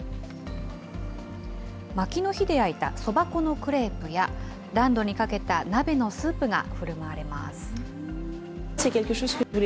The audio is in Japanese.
まきの火で焼いたそば粉のクレープや、暖炉にかけた鍋のスープがふるまわれます。